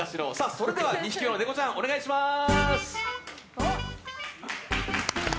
それでは２匹目のネコちゃんお願いします！